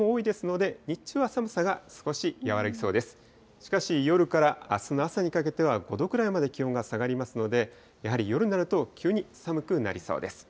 しかし夜からあすの朝にかけては、５度ぐらいまで気温が下がりますので、やはり夜になると急に寒くなりそうです。